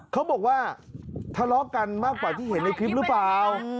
เขาบอกว่าทะเลาะกันมากกว่าที่เห็นในคลิปหรือเปล่า